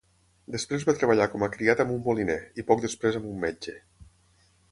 Després va treballar com a criat amb un moliner, i poc després amb un metge.